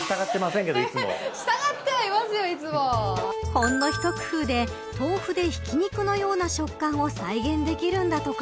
ほんの一工夫で豆腐でひき肉のような食感を再現できるんだとか。